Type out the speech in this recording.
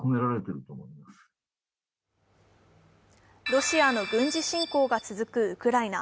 ロシアの軍事侵攻が続くウクライナ。